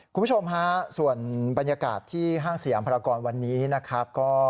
คุณผู้ชมฮะส่วนบรรยากาศที่ห้างสยามพรากรวันนี้นะครับ